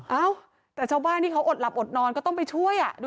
เอ๋อตายแล้ว